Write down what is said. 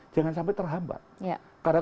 jangan sampai terhambat karena